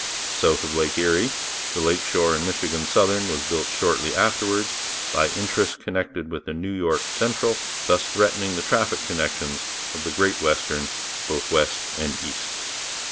South of Lake Erie the Lake Shore and Michigan Southern was built shortly afterwards by interests connected with the New York Central, thus threatening the traffic connections of the Great Western both east and west.